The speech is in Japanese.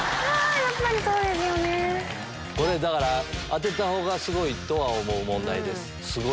当てたほうがすごいとは思う問題です。